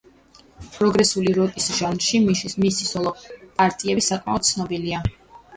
პროგრესული როკის ჟანრში მისი სოლო პარტიები საკმაოდ ცნობილია.